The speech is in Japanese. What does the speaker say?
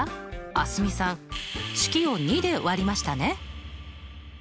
蒼澄さん式を２で割りましたね。